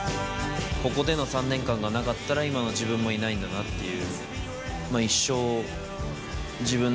ここでの３年間がなかったら今の自分もいないんだなっていう。